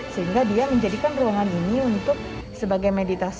sehingga dia menjadikan ruangan ini untuk sebagai meditasi